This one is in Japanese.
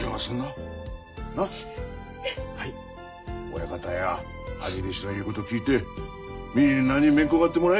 親方や兄弟子の言うこと聞いてみんなにめんこがってもらえ。